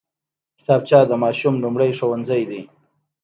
کتابچه د ماشوم لومړی ښوونځی دی